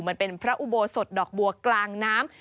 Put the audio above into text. มันเป็นพระอุโบสถดอกบัวกลางน้ำ